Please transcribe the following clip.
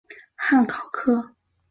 汉考克。